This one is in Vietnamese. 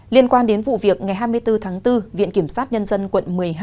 liên quan đến vụ việc ngày hai mươi bốn tháng bốn viện kiểm sát nhân dân quận một mươi hai